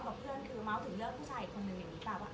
พี่เยินคือเมาส์ถึงเลิกผู้ชายอีกคนนึงอย่างนี่บ่